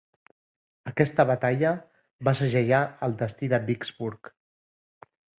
Aquesta batalla va segellar el destí de Vicksburg.